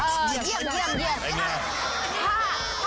ถ้าผมอะ